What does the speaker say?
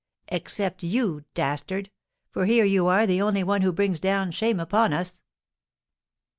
Except you, dastard; for here you are the only one who brings down shame upon us!"